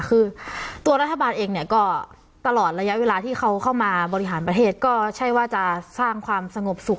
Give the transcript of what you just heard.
คือตัวรัฐบาลเองเนี่ยก็ตลอดระยะเวลาที่เขาเข้ามาบริหารประเทศก็ใช่ว่าจะสร้างความสงบสุข